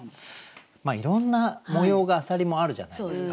まあいろんな模様が浅蜊もあるじゃないですか。